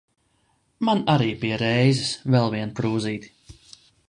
Man arī pie reizes, vēl vienu krūzīti.